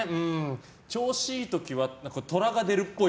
調子いい時はトラが出るっぽい。